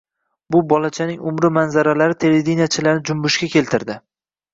Bu bolachaning umri manzaralari televidenichilarni junbushga keltirdi!